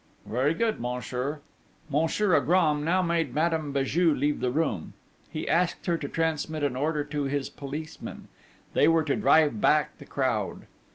'Very good, monsieur.' Monsieur Agram now made Madame Béju leave the room. He asked her to transmit an order to his policemen: they were to drive back the crowd.